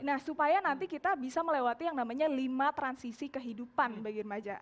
nah supaya nanti kita bisa melewati yang namanya lima transisi kehidupan bagi remaja